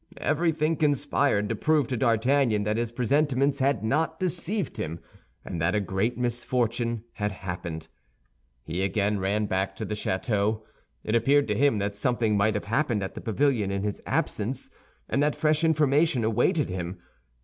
Everything conspired to prove to D'Artagnan that his presentiments had not deceived him, and that a great misfortune had happened. He again ran back to the château. It appeared to him that something might have happened at the pavilion in his absence, and that fresh information awaited him.